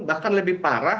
bahkan lebih parah